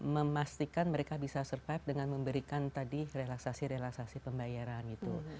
memastikan mereka bisa survive dengan memberikan tadi relaksasi relaksasi pembayaran gitu